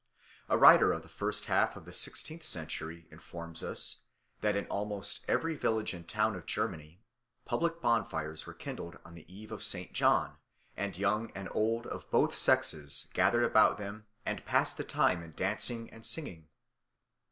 A writer of the first half of the sixteenth century informs us that in almost every village and town of Germany public bonfires were kindled on the Eve of St. John, and young and old, of both sexes, gathered about them and passed the time in dancing and singing.